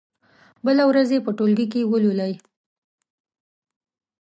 بله ورځ يې په ټولګي کې ولولئ.